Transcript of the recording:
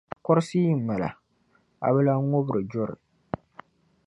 Kɔrisi yi mali a, a bi lan ŋubiri juri.